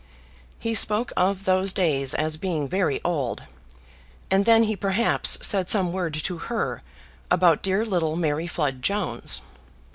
He spoke of those days as being very old; and then he perhaps said some word to her about dear little Mary Flood Jones.